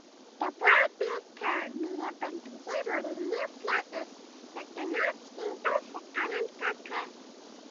The broad-billed parrot may have been behaviourally near-flightless, like the now-extinct Norfolk Island kaka.